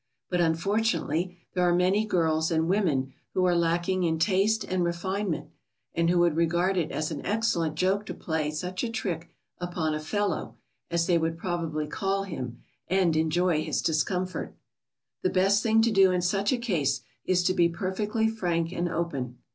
But unfortunately there are many girls and women who are lacking in taste and refinement, and who would regard it as an excellent joke to play such a trick upon a "fellow," as they would probably call him, and enjoy his discomfort. [Sidenote: The best course to adopt.] The best thing to do in such a case is to be perfectly frank and open.